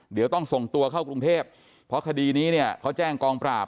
เดี๋ยวต้องส่งตัวเข้ากรุงเทพเพราะคดีนี้เนี่ยเขาแจ้งกองปราบ